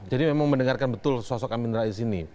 jadi memang mendengarkan betul sosok amin rais ini